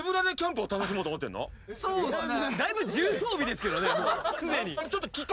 そうですね